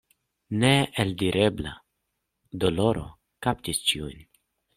Neeldirebla doloro kaptis ĉiujn.